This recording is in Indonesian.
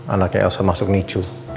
anaknya elsa masuk nicu